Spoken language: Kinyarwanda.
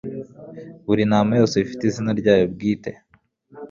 Buri ntama yose iba ifite izina ryayo bwite,